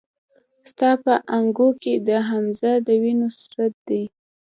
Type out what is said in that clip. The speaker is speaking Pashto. ستا په اننګو کې د حمزه د وينو سره دي